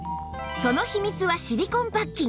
その秘密はシリコンパッキン